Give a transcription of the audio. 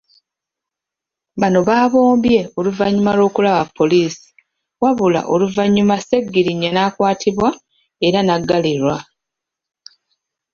Bano baabombye oluvannyuma lw'okulaba poliisi wabula oluvannyuma Ssegirinya n'akwatibwa era n'aggalirwa.